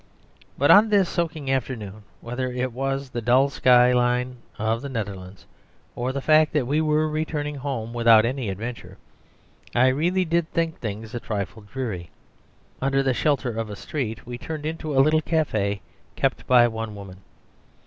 But on this soaking afternoon, whether it was the dull sky line of the Netherlands or the fact that we were returning home without any adventure, I really did think things a trifle dreary. As soon as we could creep under the shelter of a street we turned into a little café, kept by one woman.